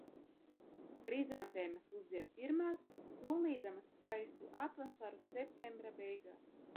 Krizantēmas uzzied pirmās, solīdamas skaistu atvasaru septembra beigās.